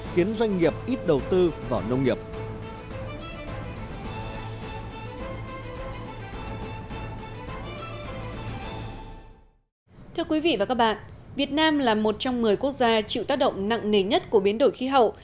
thưa quý vị và các bạn việt nam là một trong một mươi quốc gia chịu tác động nặng nề nhất của biến đổi khí hậu